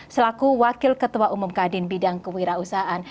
selaku wakil ketua umum kadin bidang kewirausahaan